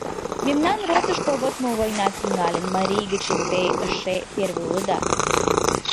Мемнан ротышто, вот мо война тӱҥалын, марий гыч те эше первый улыда.